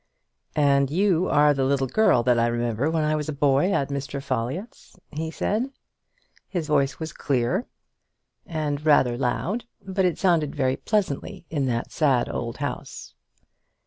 "And you are the little girl that I remember when I was a boy at Mr. Folliott's?" he said. His voice was clear, and rather loud, but it sounded very pleasantly in that sad old house.